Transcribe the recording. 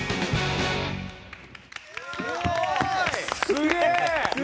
すごい！